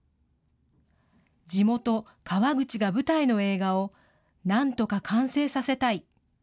地元、川口が舞台の映画をなんとか完成させたい。